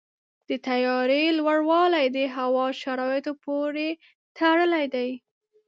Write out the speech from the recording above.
د طیارې لوړوالی د هوا شرایطو پورې تړلی دی.